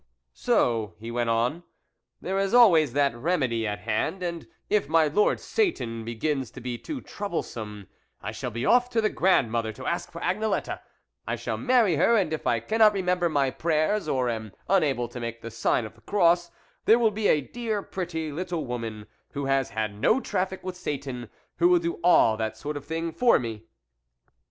" So," he went on, " there is always that remedy at hand, and if my lord Satan begins to be too trouble some, I shall be off to the grandmother to ask for Agnelette ; I shall marry her, and if I cannot remember my prayers or am unable to make the sign of the cross, there will be a dear pretty little woman, who has had no traffic with Satan, who will do all that sort of thing for me."